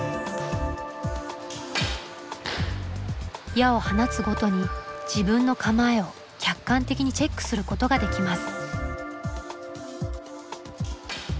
矢を放つごとに自分の構えを客観的にチェックすることができます。